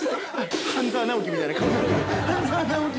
◆「半沢直樹」みたいな顔になってる。